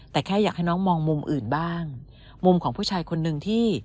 แต่แค่อยากให้น้องมองมุมอื่นบ้างมุมของผู้ชายคนหนึ่งที่